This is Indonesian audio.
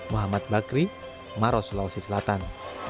muhammad bakri maros sulawesi selatan